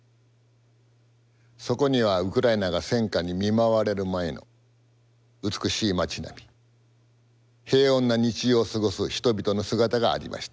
そこにはウクライナが戦禍に見舞われる前の美しい街並み平穏な日常を過ごす人々の姿がありました。